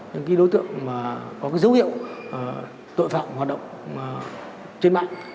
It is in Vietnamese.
những đối tượng có dấu hiệu tội phạm hoạt động trên mạng